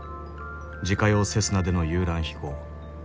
自家用セスナでの遊覧飛行。